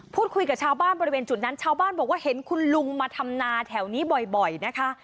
พูดคุยกับชาวบ้านบริเวณจุดนั้นชาวบ้านบอกว่าเห็นคุณลุงมาทำนาแถวนี้บ่อยนะคะ